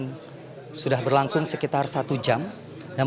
dan sudah berlangsung sekitar satu jam